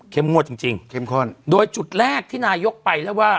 งวดจริงจริงเข้มข้นโดยจุดแรกที่นายกไปแล้วว่า